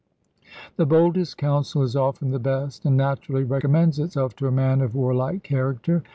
The boldest counsel is often the best, and naturally recommends itself to a man of warlike character.